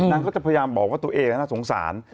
นางก็จะพยายามบอกว่าตัวเองน่าสงสาร